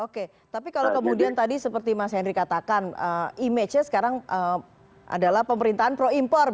oke tapi kalau kemudian tadi seperti mas henry katakan image nya sekarang adalah pemerintahan pro impor